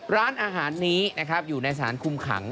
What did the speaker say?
ร้านอาหารนี้นะครับอยู่ในสถานคุมขัง